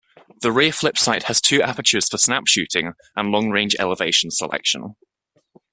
The rear flip sight has two apertures for snap shooting and long-range elevation selection.